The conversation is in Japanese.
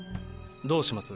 どうします？